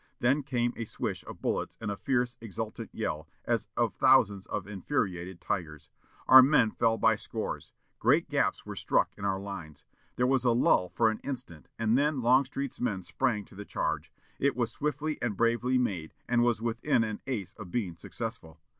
Then came a swish of bullets and a fierce exultant yell, as of thousands of infuriated tigers. Our men fell by scores. Great gaps were struck in our lines. There was a lull for an instant, and then Longstreet's men sprang to the charge. It was swiftly and bravely made, and was within an ace of being successful.